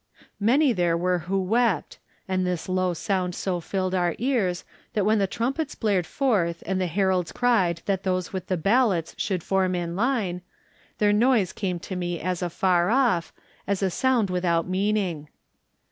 Many there were who wept, and this low sound so filled our ears that when the trum pets blared forth and the heralds cried that those with the ballots should form in line, their noise came to me as afar off, as a sound without meaning.